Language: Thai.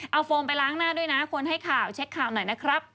เอาโฟมไปล้างหน้าด้วยนะคนให้ข่าวเช็คข่าวหน่อยนะครับ